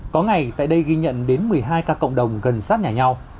có ngày tại đây ghi nhận đến một mươi hai ca cộng đồng gần sát nhà nhau